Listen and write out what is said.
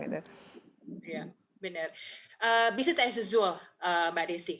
ya benar business as usual mbak dixie